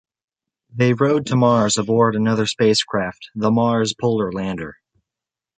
They rode to Mars aboard another spacecraft, the Mars Polar Lander.